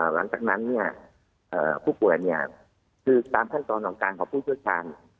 หลังจากนั้นผู้ป่วยตามขั้นตรงต่างของผู้ชนชาญ